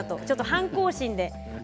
ちょっと反抗心で。